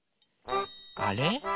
あれ？